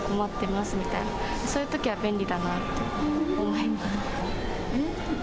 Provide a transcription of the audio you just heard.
そういうときは便利だなと思っています。